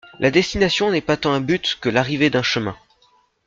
La destination n’est pas tant un but que l’arrivée d’un chemin.